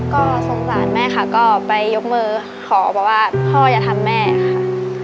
ก็สงสารแม่ค่ะก็ไปยกมือขอบอกว่าพ่ออย่าทำแม่ค่ะ